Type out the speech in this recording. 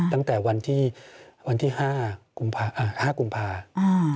ตั้งแต่วันที่๕กุมภาคม